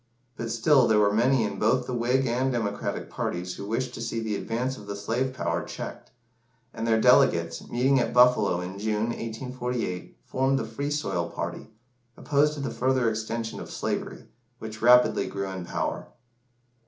But still there were many in both the Whig and Democratic parties who wished to see the advance of the slave power checked; and their delegates, meeting at Buffalo in June, 1848, formed the Free Soil party, opposed to the further extension of slavery, which rapidly grew in power.